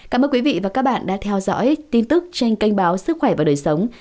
cảm ơn quý vị và các bạn đã theo dõi tin tức trên kênh báo sức khỏe và đời sống